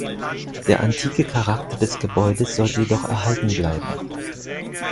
Der antike Charakter des Gebäude sollte jedoch erhalten bleiben.